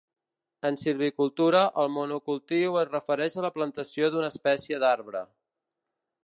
En silvicultura, el monocultiu es refereix a la plantació d'una espècie d'arbre.